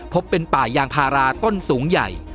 เป็นป่ายางพาราต้นสูงใหญ่